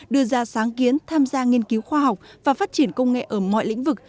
đưa ra sáng kiến tham gia nghiên cứu khoa học và phát triển công nghệ ở mọi lĩnh vực